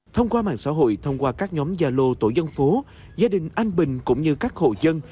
thông qua mạng xã hội thông qua các nhóm gia lô tổ dân phố gia đình anh bình cũng như các hộ dân